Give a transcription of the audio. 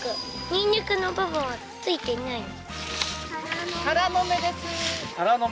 ニンニクの部分は付いていないの。